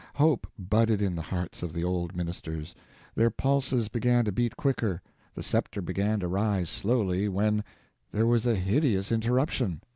Hope budded in the hearts of the old ministers, their pulses began to beat quicker, the scepter began to rise slowly, when: There was a hideous interruption!